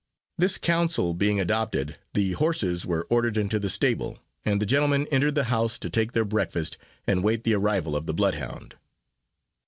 This counsel being adopted, the horses were ordered into the stable; and the gentlemen entered the house to take their breakfast, and wait the arrival of the blood hound.